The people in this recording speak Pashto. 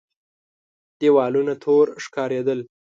دېوالونه تور ښکارېدل.